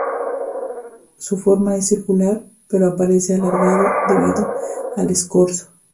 Su forma es circular, pero aparece alargado debido al escorzo.